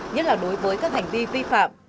nhất là đối với các hành vi vi phạm